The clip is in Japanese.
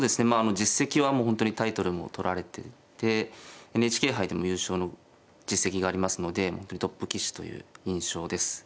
実績は本当にタイトルも取られていてＮＨＫ杯でも優勝の実績がありますので本当にトップ棋士という印象です。